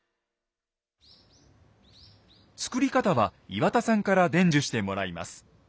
作り方は岩田さんから伝授してもらいます。